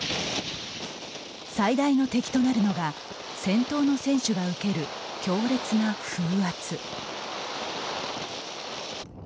最大の敵となるのが先頭の選手が受ける強烈な風圧。